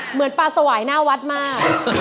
เหมือนปลาสวายหน้าวัดมาก